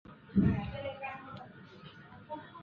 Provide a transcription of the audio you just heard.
আমি তোর কথা বলি?